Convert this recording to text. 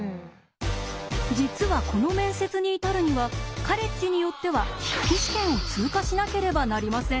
実はこの面接に至るにはカレッジによっては筆記試験を通過しなければなりません。